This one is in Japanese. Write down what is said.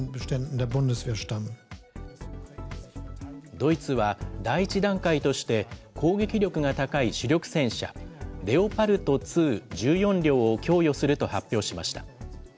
ドイツは第１段階として、攻撃力が高い主力戦車、レオパルト２、１４両を供与すると発表しました。